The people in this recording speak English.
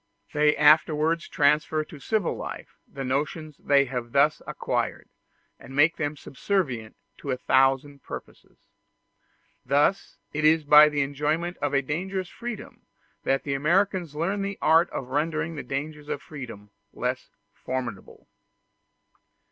They afterwards transfer to civil life the notions they have thus acquired, and make them subservient to a thousand purposes. Thus it is by the enjoyment of a dangerous freedom that the Americans learn the art of rendering the dangers of freedom less formidable.